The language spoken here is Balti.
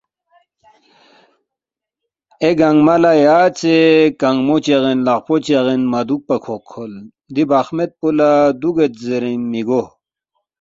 اے گنگمہ لہ یاژے کنگمو چاغین لقپو چاغین مہ دُوکپا کھوقکھول، دی بخمید پو لہ دُوگید زیرین مِہ گو